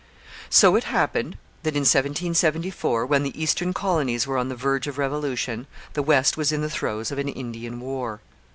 So it happened that in 1774, when the eastern colonies were on the verge of revolution, the west was in the throes of an Indian war.